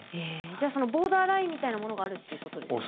じゃあそのボーダーラインみたいなものがあるっていうことですか？